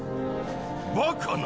バカな！